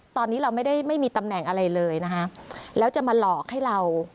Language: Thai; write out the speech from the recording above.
ตอนนี้เราไม่ได้ไม่มีตำแหน่งอะไรเลยนะคะแล้วจะมาหลอกให้เรา